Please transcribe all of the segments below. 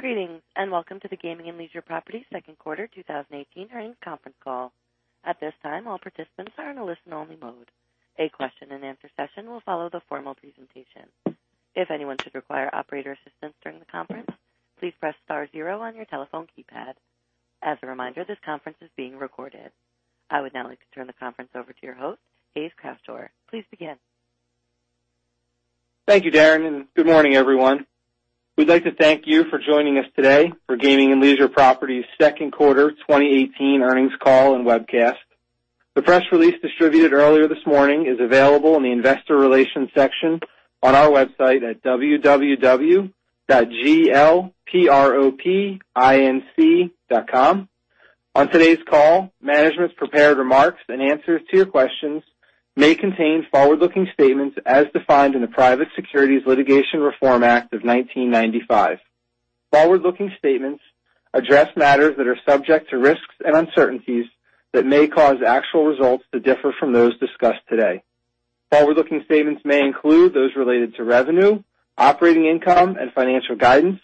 Greetings, welcome to the Gaming and Leisure Properties second quarter 2018 earnings conference call. At this time, all participants are in a listen-only mode. A question and answer session will follow the formal presentation. If anyone should require operator assistance during the conference, please press star zero on your telephone keypad. As a reminder, this conference is being recorded. I would now like to turn the conference over to your host, Hayes Croushore. Please begin. Thank you, Darren, good morning, everyone. We'd like to thank you for joining us today for Gaming and Leisure Properties' second quarter 2018 earnings call and webcast. The press release distributed earlier this morning is available in the investor relations section on our website at www.glpropinc.com. On today's call, management's prepared remarks and answers to your questions may contain forward-looking statements as defined in the Private Securities Litigation Reform Act of 1995. Forward-looking statements address matters that are subject to risks and uncertainties that may cause actual results to differ from those discussed today. Forward-looking statements may include those related to revenue, operating income, and financial guidance,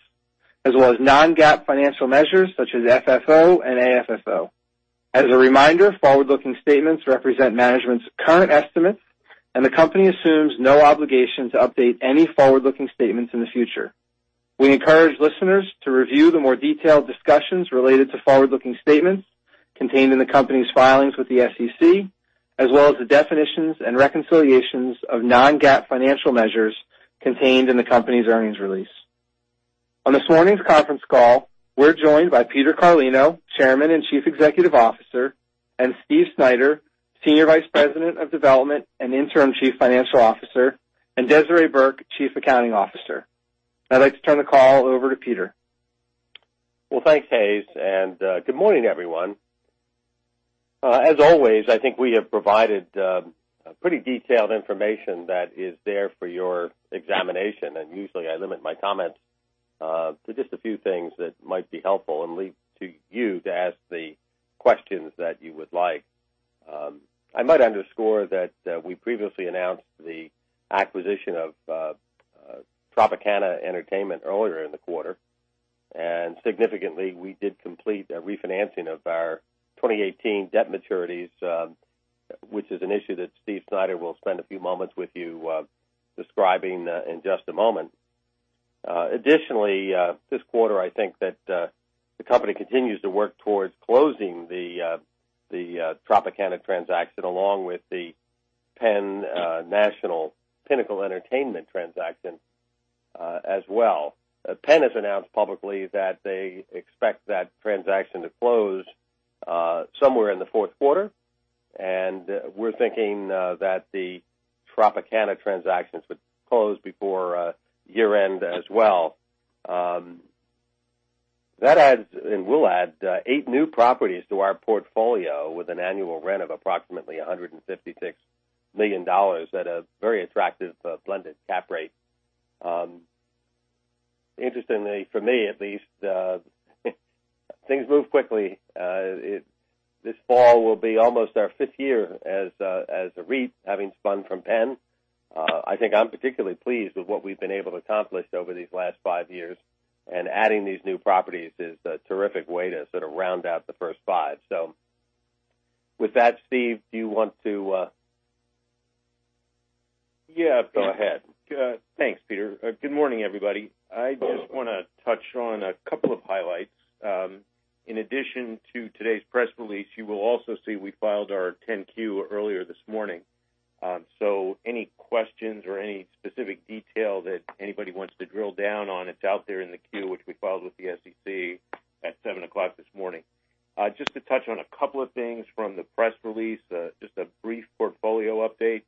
as well as non-GAAP financial measures such as FFO and AFFO. As a reminder, forward-looking statements represent management's current estimates, the company assumes no obligation to update any forward-looking statements in the future. We encourage listeners to review the more detailed discussions related to forward-looking statements contained in the company's filings with the SEC, as well as the definitions and reconciliations of non-GAAP financial measures contained in the company's earnings release. On this morning's conference call, we're joined by Peter Carlino, Chairman and Chief Executive Officer, Steve Snyder, Senior Vice President of Development and Interim Chief Financial Officer, and Desiree Burke, Chief Accounting Officer. I'd like to turn the call over to Peter. Well, thanks, Hayes, good morning, everyone. As always, I think we have provided pretty detailed information that is there for your examination, usually, I limit my comments to just a few things that might be helpful and leave to you to ask the questions that you would like. I might underscore that we previously announced the acquisition of Tropicana Entertainment earlier in the quarter, significantly, we did complete a refinancing of our 2018 debt maturities, which is an issue that Steve Snyder will spend a few moments with you describing in just a moment. Additionally, this quarter, I think that the company continues to work towards closing the Tropicana transaction along with the Penn National, Pinnacle Entertainment transaction as well. Penn has announced publicly that they expect that transaction to close somewhere in the fourth quarter, and we're thinking that the Tropicana transactions would close before year-end as well. That adds, and will add 8 new properties to our portfolio with an annual rent of approximately $156 million at a very attractive blended cap rate. Interestingly, for me at least, things move quickly. This fall will be almost our fifth year as a REIT, having spun from Penn. I think I'm particularly pleased with what we've been able to accomplish over these last five years, and adding these new properties is a terrific way to sort of round out the first five. With that, Steve, do you want to- Yeah, go ahead. Thanks, Peter. Good morning, everybody. I just want to touch on a couple of highlights. In addition to today's press release, you will also see we filed our 10-Q earlier this morning. Any questions or any specific detail that anybody wants to drill down on, it's out there in the Q, which we filed with the SEC at 7:00 this morning. Just to touch on a couple of things from the press release, just a brief portfolio update.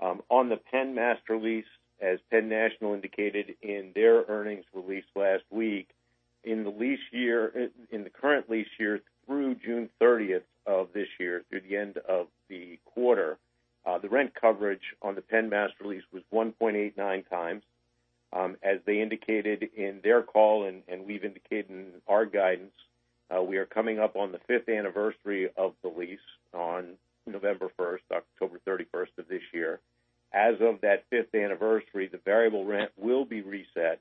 On the Penn master lease, as Penn National indicated in their earnings release last week, in the current lease year through June 30th of this year, through the end of the quarter, the rent coverage on the Penn master lease was 1.89 times. As they indicated in their call and we've indicated in our guidance, we are coming up on the fifth anniversary of the lease on November 1st, October 31st of this year. As of that fifth anniversary, the variable rent will be reset.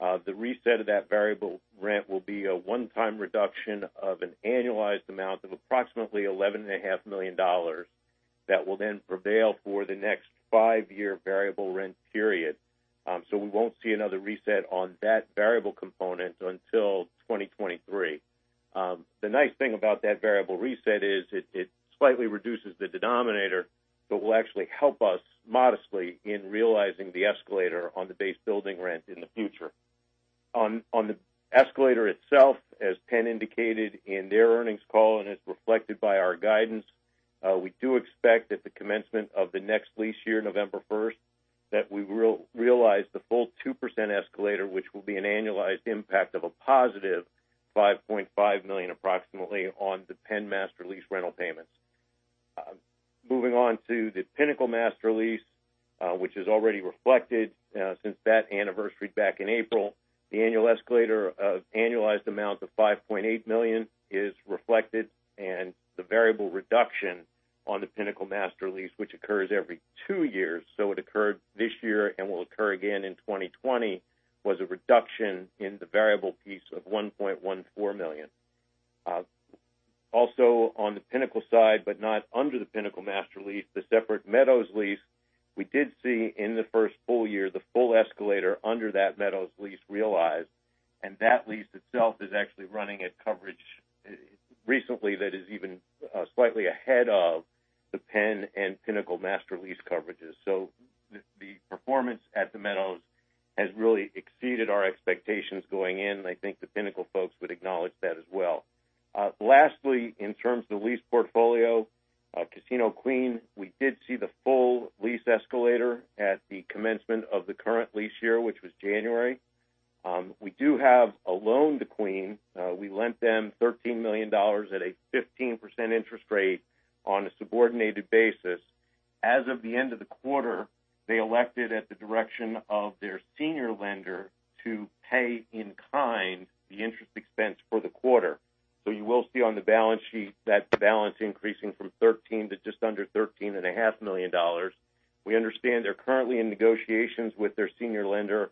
The reset of that variable rent will be a one-time reduction of an annualized amount of approximately $11.5 million that will then prevail for the next five-year variable rent period. We won't see another reset on that variable component until 2023. The nice thing about that variable reset is it slightly reduces the denominator, but will actually help us modestly in realizing the escalator on the base building rent in the future. On the escalator itself, as Penn indicated in their earnings call and as reflected by our guidance, we do expect at the commencement of the next lease year, November 1st, that we will realize the full 2% escalator, which will be an annualized impact of a positive $5.5 million approximately on the Penn master lease rental payments. Moving on to the Pinnacle master lease, which is already reflected since that anniversary back in April, the annual escalator of annualized amount of $5.8 million is reflected, and the variable reduction On the Pinnacle master lease, which occurs every two years, so it occurred this year and will occur again in 2020, was a reduction in the variable piece of $1.14 million. Also on the Pinnacle side, but not under the Pinnacle master lease, the separate Meadows lease, we did see in the first full year, the full escalator under that Meadows lease realized, and that lease itself is actually running at coverage recently that is even slightly ahead of the Penn and Pinnacle master lease coverages. The performance at the Meadows has really exceeded our expectations going in, and I think the Pinnacle folks would acknowledge that as well. Lastly, in terms of the lease portfolio, Casino Queen, we did see the full lease escalator at the commencement of the current lease year, which was January. We do have a loan to Queen. We lent them $13 million at a 15% interest rate on a subordinated basis. As of the end of the quarter, they elected at the direction of their senior lender to pay in kind the interest expense for the quarter. You will see on the balance sheet that the balance increasing from $13 to just under $13.5 million. We understand they're currently in negotiations with their senior lender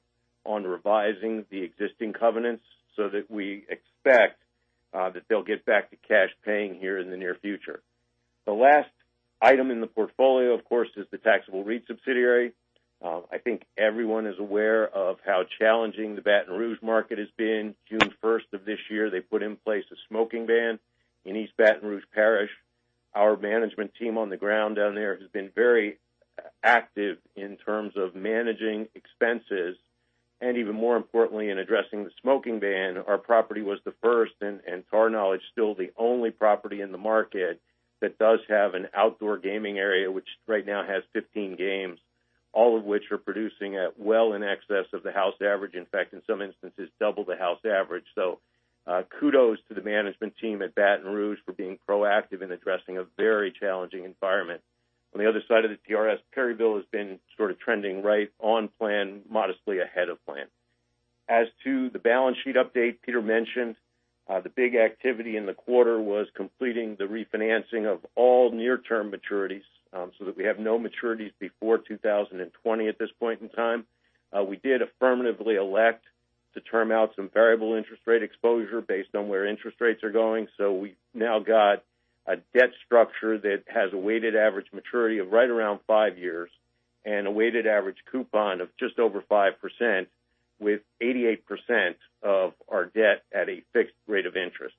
on revising the existing covenants, that we expect that they'll get back to cash paying here in the near future. The last item in the portfolio, of course, is the taxable REIT subsidiary. I think everyone is aware of how challenging the Baton Rouge market has been. June 1st of this year, they put in place a smoking ban in East Baton Rouge Parish. Our management team on the ground down there has been very active in terms of managing expenses and even more importantly, in addressing the smoking ban. Our property was the first, and to our knowledge, still the only property in the market that does have an outdoor gaming area, which right now has 15 games, all of which are producing at well in excess of the house average. In fact, in some instances, double the house average. Kudos to the management team at Baton Rouge for being proactive in addressing a very challenging environment. On the other side of the TRS, Perryville has been sort of trending right on plan, modestly ahead of plan. As to the balance sheet update Peter mentioned, the big activity in the quarter was completing the refinancing of all near-term maturities that we have no maturities before 2020 at this point in time. We did affirmatively elect to term out some variable interest rate exposure based on where interest rates are going. We've now got a debt structure that has a weighted average maturity of right around five years and a weighted average coupon of just over 5% with 88% of our debt at a fixed rate of interest.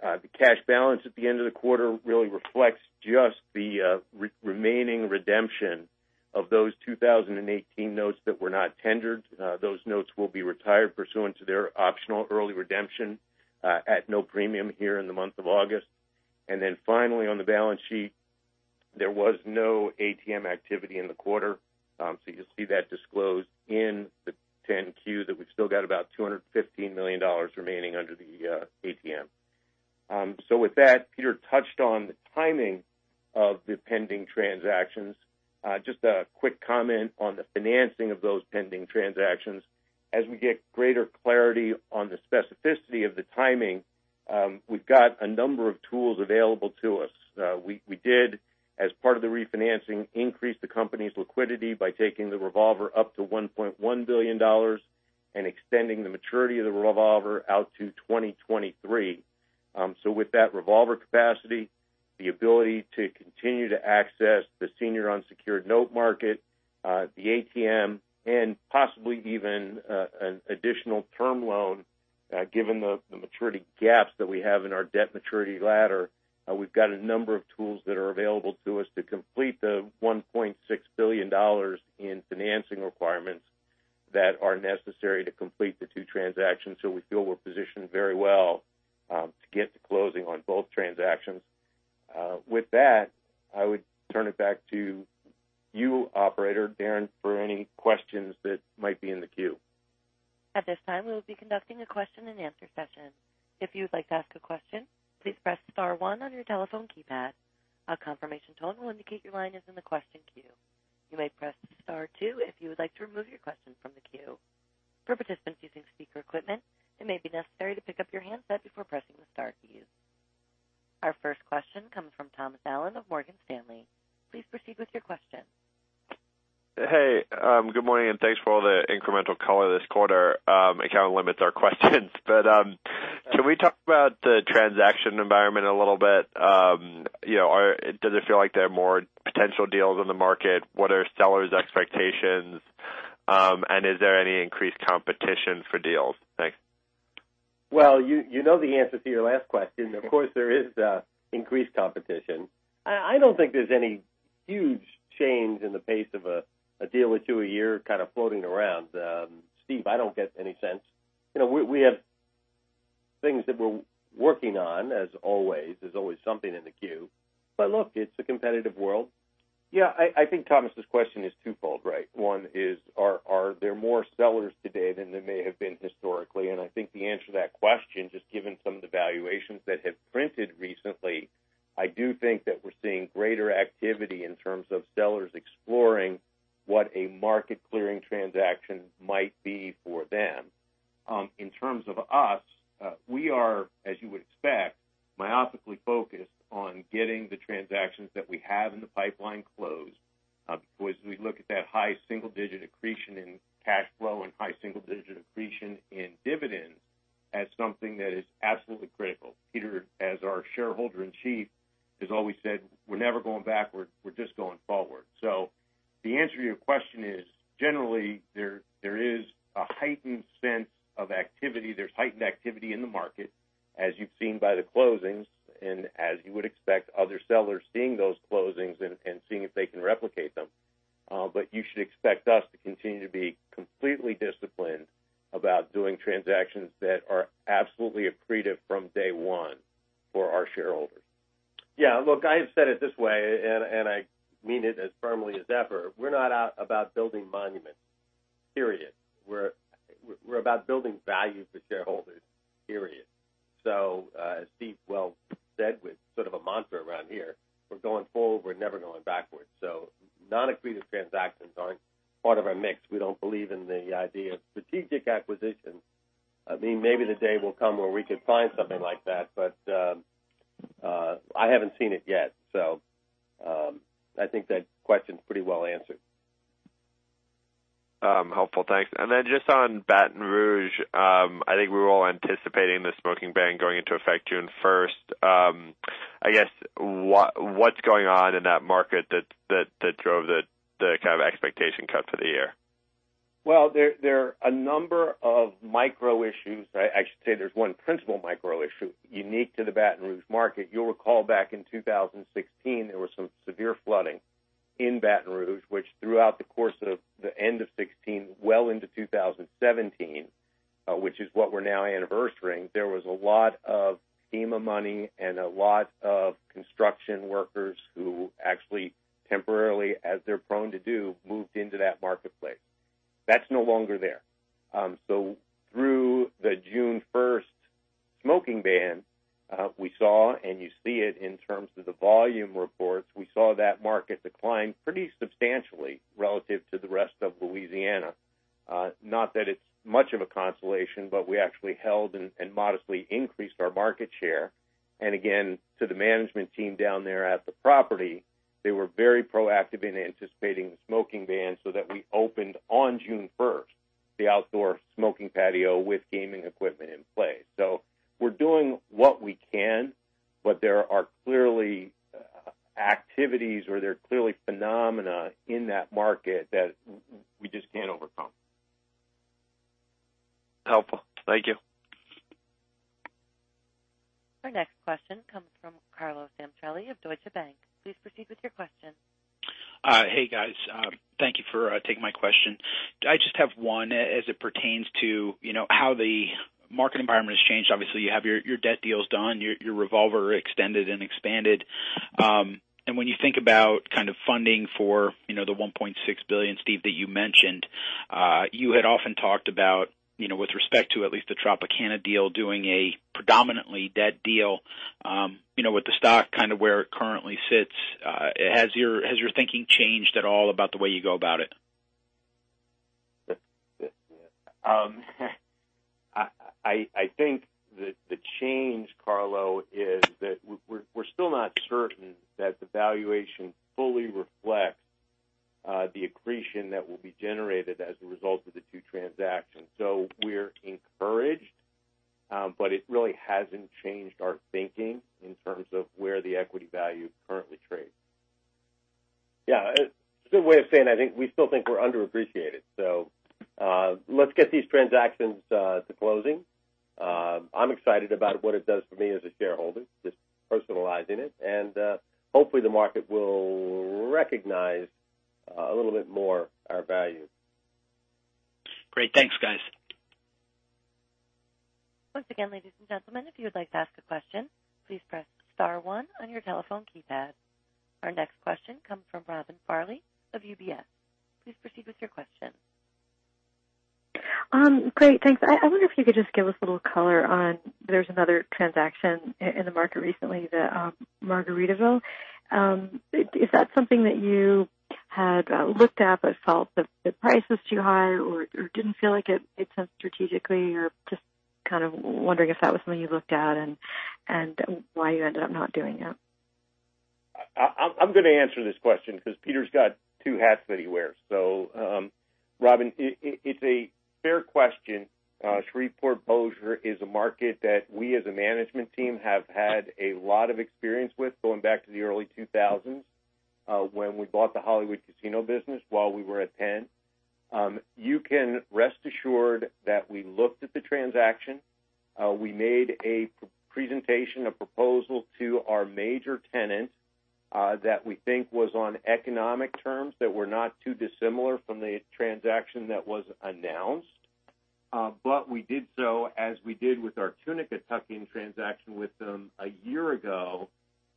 The cash balance at the end of the quarter really reflects just the remaining redemption of those 2018 notes that were not tendered. Those notes will be retired pursuant to their optional early redemption at no premium here in the month of August. Finally on the balance sheet, there was no ATM activity in the quarter. You'll see that disclosed in the 10-Q that we've still got about $215 million remaining under the ATM. With that, Peter touched on the timing of the pending transactions. Just a quick comment on the financing of those pending transactions. As we get greater clarity on the specificity of the timing, we've got a number of tools available to us. We did, as part of the refinancing, increase the company's liquidity by taking the revolver up to $1.1 billion and extending the maturity of the revolver out to 2023. With that revolver capacity, the ability to continue to access the senior unsecured note market, the ATM, and possibly even an additional term loan, given the maturity gaps that we have in our debt maturity ladder, we've got a number of tools that are available to us to complete the $1.6 billion in financing requirements that are necessary to complete the two transactions. We feel we're positioned very well to get to closing on both transactions. With that, I would turn it back to you, operator, Darren, for any questions that might be in the queue. At this time, we will be conducting a question and answer session. If you would like to ask a question, please press star one on your telephone keypad. A confirmation tone will indicate your line is in the question queue. You may press star two if you would like to remove your question from the queue. For participants using speaker equipment, it may be necessary to pick up your handset before pressing the star keys. Our first question comes from Thomas Allen of Morgan Stanley. Please proceed with your question. Hey, good morning, thanks for all the incremental color this quarter. It kind of limits our questions but can we talk about the transaction environment a little bit? Does it feel like there are more potential deals on the market? What are sellers' expectations? Is there any increased competition for deals? Thanks. Well, you know the answer to your last question. Of course, there is increased competition. I don't think there's any huge change in the pace of a deal or two a year kind of floating around. Steve, I don't get any sense. We have things that we're working on as always. There's always something in the queue. Look, it's a competitive world. Yeah. I think Thomas' question is twofold, right? One is, are there more sellers today than there may have been historically? I think the answer to that question, just given mean it as firmly as ever. We're not out about building monuments, period. We're about building value for shareholders, period. As Steve well said with sort of a mantra around here, we're going forward, we're never going backwards. Non-accretive transactions aren't part of our mix. We don't believe in the idea of strategic acquisitions. Maybe the day will come where we could find something like that, but I haven't seen it yet. I think that question's pretty well answered. Helpful. Thanks. Just on Baton Rouge, I think we were all anticipating the smoking ban going into effect June 1st. I guess, what's going on in that market that drove the kind of expectation cut for the year? There are a number of micro issues. I should say there's one principal micro issue unique to the Baton Rouge market. You'll recall back in 2016, there was some severe flooding in Baton Rouge, which throughout the course of the end of 2016, well into 2017, which is what we're now anniversarying, there was a lot of FEMA money and a lot of construction workers who actually temporarily, as they're prone to do, moved into that marketplace. That's no longer there. Through the June 1st smoking ban, we saw, and you see it in terms of the volume reports, we saw that market decline pretty substantially relative to the rest of Louisiana. Not that it's much of a consolation, but we actually held and modestly increased our market share. Again, to the management team down there at the property, they were very proactive in anticipating the smoking ban that we opened on June 1st, the outdoor smoking patio with gaming equipment in place. We're doing what we can, but there are clearly activities or there are clearly phenomena in that market that we just can't overcome. Helpful. Thank you. Our next question comes from Carlo Santarelli of Deutsche Bank. Please proceed with your question. Hey, guys. Thank you for taking my question. I just have one as it pertains to how the market environment has changed. Obviously, you have your debt deals done, your revolver extended and expanded. When you think about funding for the $1.6 billion, Steve, that you mentioned, you had often talked about with respect to at least the Tropicana deal, doing a predominantly debt deal. With the stock where it currently sits, has your thinking changed at all about the way you go about it? I think that the change, Carlo, is that we're still not certain that the valuation fully reflects the accretion that will be generated as a result of the two transactions. We're encouraged, but it really hasn't changed our thinking in terms of where the equity value currently trades. Yeah. It's a good way of saying, I think we still think we're underappreciated. Let's get these transactions to closing. I'm excited about what it does for me as a shareholder, just personalizing it, and hopefully the market will recognize a little bit more our value. Great. Thanks, guys. Once again, ladies and gentlemen, if you would like to ask a question, please press *1 on your telephone keypad. Our next question comes from Robin Farley of UBS. Please proceed with your question. Great. Thanks. I wonder if you could just give us a little color on, there's another transaction in the market recently, the Margaritaville. Is that something that you had looked at but felt the price was too high or didn't feel like it made sense strategically? Or just kind of wondering if that was something you looked at and why you ended up not doing it. I'm going to answer this question because Peter's got two hats that he wears. Robin, it's a fair question. Shreveport Bossier is a market that we as a management team have had a lot of experience with going back to the early 2000s, when we bought the Hollywood Casino business while we were at Penn. You can rest assured that we looked at the transaction. We made a presentation, a proposal to our major tenant, that we think was on economic terms that were not too dissimilar from the transaction that was announced. We did so, as we did with our Tunica, tuck-in transaction with them a year ago,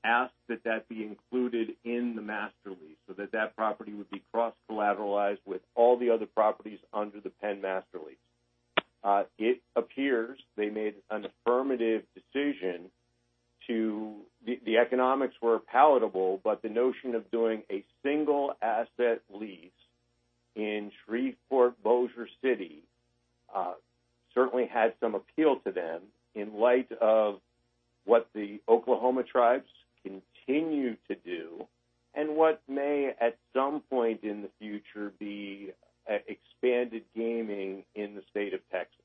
asked that that be included in the master lease, so that property would be cross-collateralized with all the other properties under the Penn master lease. It appears they made an affirmative decision, the economics were palatable, but the notion of doing a single asset lease in Shreveport Bossier City certainly had some appeal to them in light of what the Oklahoma tribes continue to do and what may, at some point in the future, be expanded gaming in the state of Texas.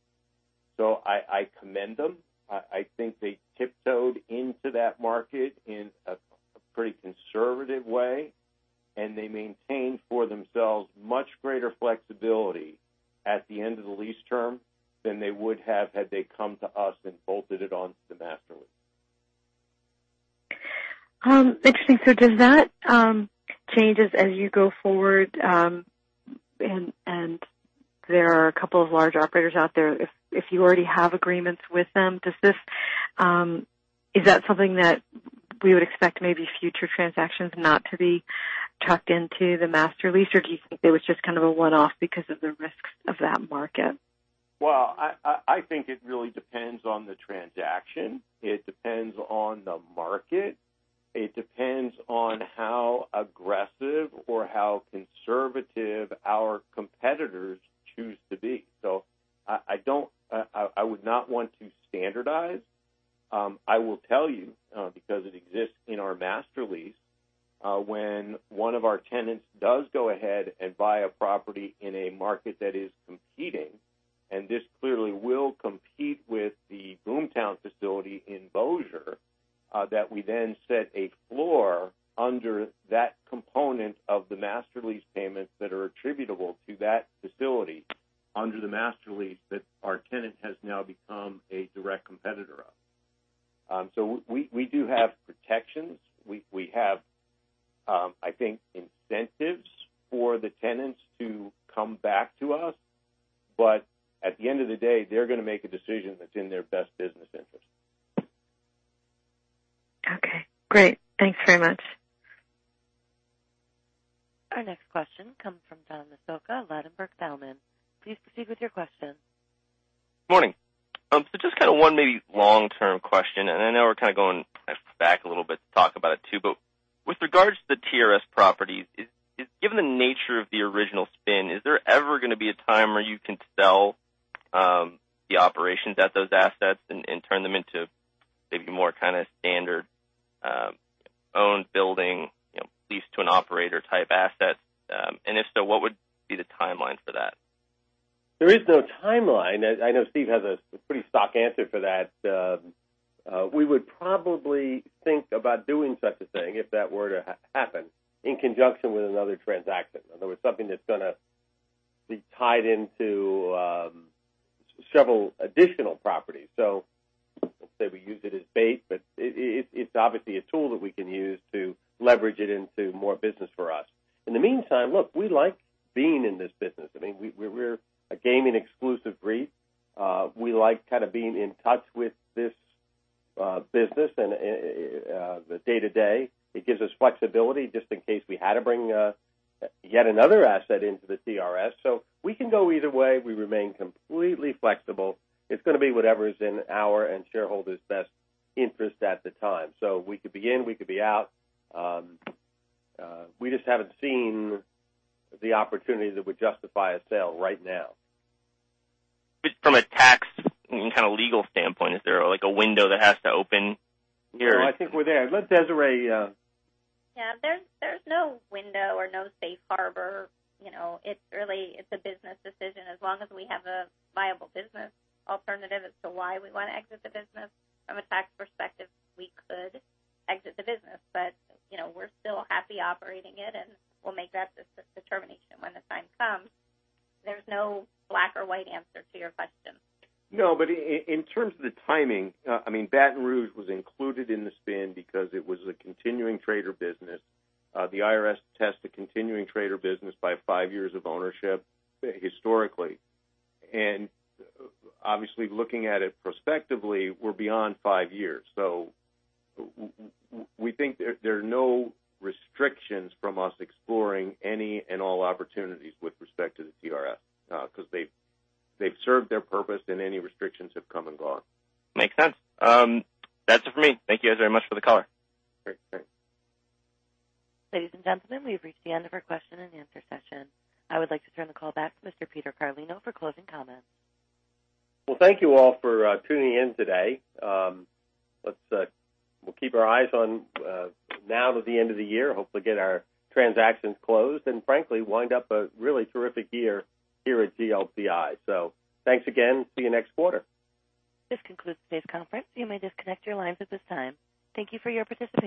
I commend them. I think they tiptoed into that market in a pretty conservative way, and they maintained for themselves much greater flexibility at the end of the lease term than they would have had they come to us and bolted it onto the master lease. Interesting. Does that change as you go forward? There are a couple of large operators out there. If you already have agreements with them, is that something that we would expect maybe future transactions not to be tucked into the master lease? Or do you think it was just a one-off because of the risks of that market? I think it really depends on the transaction. It depends on the market. It depends on how aggressive or how conservative our competitors choose to be. I would not want to standardize. I will tell you because it exists in our master lease, when one of our tenants does go ahead and buy a property in a market that is competing, and this clearly will compete with the Boomtown facility in Bossier, that we then set a floor under that component of the master lease payments that are attributable We would probably think about doing such a thing if that were to happen in conjunction with another transaction. In other words, something that's going to be tied into several additional properties. Let's say we use it as bait, but it's obviously a tool that we can use to leverage it into more business for us. In the meantime, look, we like being in this business. We're a gaming exclusive REIT. We like kind of being in touch with this business and the day-to-day. It gives us flexibility just in case we had to bring yet another asset into the TRS. We can go either way. We remain completely flexible. It's going to be whatever is in our and shareholders' best interest at the time. We could be in, we could be out. We just haven't seen the opportunity that would justify a sale right now. Just from a tax and kind of legal standpoint, is there a window that has to open here? No, I think we're there. Let Desiree. Yeah, there's no window or no safe harbor. It's a business decision. As long as we have a viable business alternative as to why we want to exit the business, from a tax perspective, we could exit the business. We're still happy operating it, and we'll make that determination when the time comes. There's no black or white answer to your question. No, in terms of the timing, Baton Rouge was included in the spin because it was a continuing trade or business. The IRS tests a continuing trade or business by five years of ownership historically. Obviously, looking at it prospectively, we're beyond five years. We think there are no restrictions from us exploring any and all opportunities with respect to the TRS because they've served their purpose and any restrictions have come and gone. Makes sense. That's it for me. Thank you guys very much for the color. Great. Ladies and gentlemen, we've reached the end of our question and answer session. I would like to turn the call back to Mr. Peter Carlino for closing comments. Well, thank you all for tuning in today. We'll keep our eyes on now to the end of the year, hopefully get our transactions closed and frankly, wind up a really terrific year here at GLPI. Thanks again. See you next quarter. This concludes today's conference. You may disconnect your lines at this time. Thank you for your participation.